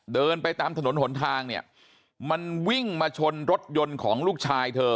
เดินไปตามถนนหนทางเนี่ยมันวิ่งมาชนรถยนต์ของลูกชายเธอ